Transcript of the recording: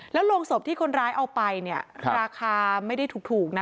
และลงศพที่คนร้ายเอาไปราคาไม่ใช่ถูกนะ